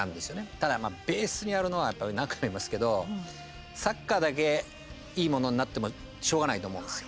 ただベースにあるのはやっぱり何回も言いますけどサッカーだけいいものになってもしょうがないと思うんですよ。